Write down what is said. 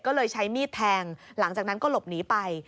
ก็เลยใช้มีดแทงหลังจากนั้นก็หลบหนีไป